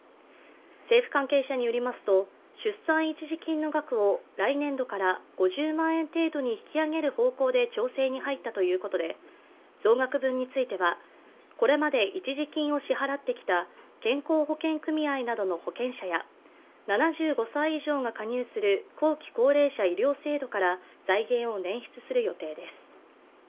政府関係者によりますと出産育児一時金の額を来年度から５０万円程度に引き上げる方向で調整に入ったということで増額分についてはこれまで一時金を支払ってきた健康保険組合などの保険者や７５歳以上が加入する後期高齢者医療制度から財源を捻出する予定です。